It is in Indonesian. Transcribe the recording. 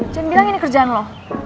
jangan bilang ini kerjaan lo